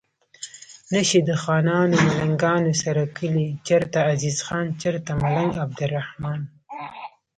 نشي د خانانو ملنګانو سره کلي چرته عزیز خان چرته ملنګ عبدالرحمان